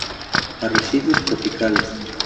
Arrecifes tropicales.